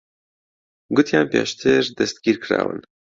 گوتیان پێشتر دەستگیر کراون.